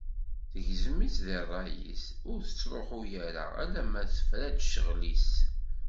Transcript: Tegzem-itt di rray-is, ur tettruḥu ara alamma tefra-d ccɣel-is.